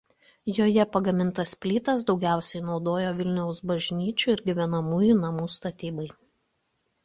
Joje pagamintas plytas daugiausia naudojo Vilniaus bažnyčių ir gyvenamųjų namų statybai.